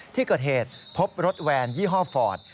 ที่เกิดเหตุพบรถแวนยี่ห้อฟอร์ด